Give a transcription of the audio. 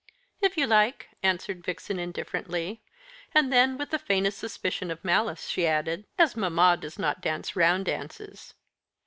"If you like," answered Vixen indifferently; and then, with the faintest suspicion of malice, she added, "as mamma does not dance round dances."